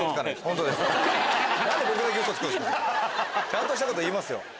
ちゃんとしたこと言いますよ。